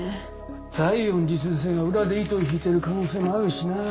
西園寺先生が裏で糸を引いてる可能性もあるしなあ。